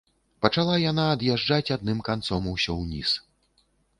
Пачала яна ад'язджаць адным канцом усё ўніз.